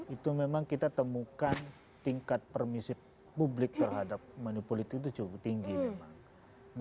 itu memang kita temukan tingkat permisi publik terhadap manipolitik itu cukup tinggi memang